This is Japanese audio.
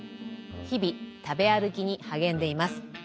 日々食べ歩きに励んでいます。